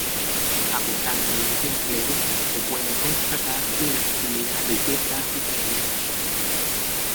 A pesar del desempleo, se puede constatar un actividad riqueza asociativa.